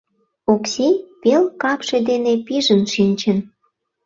Окси пел капше дене пижын шинчын.